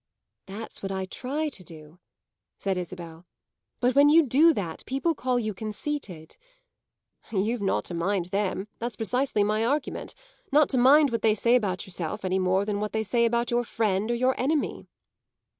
"That's what I try to do," said Isabel "but when you do that people call you conceited." "You're not to mind them that's precisely my argument; not to mind what they say about yourself any more than what they say about your friend or your enemy."